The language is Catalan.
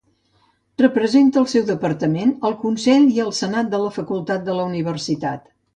Representa el seu departament al Consell i al Senat de la facultat de la universitat.